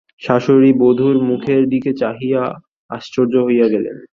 শাশুড়ী বধূর মুখের দিকে চাহিয়া আশ্চর্য হইয়া গেলেন।